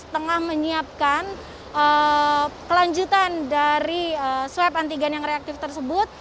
tengah menyiapkan kelanjutan dari swab antigen yang reaktif tersebut